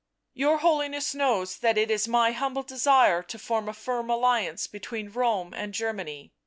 " Your Holiness knows that it is my humble desire to form a firm alliance between Rome and Germany.